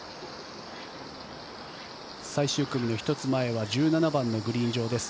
最終組の１つ前は１７番のグリーン上です。